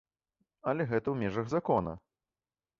Але гэта ў межах закона.